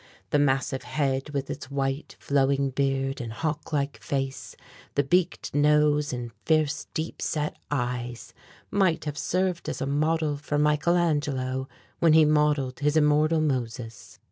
The massive head with its white flowing beard and hawklike face, the beaked nose and fierce, deep set eyes, might have served as a model for Michael Angelo when he modeled his immortal Moses.